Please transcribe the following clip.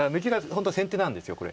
本当先手なんですこれ。